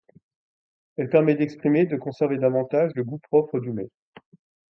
Elle permet d'exprimer, de conserver davantage le goût propre du mets.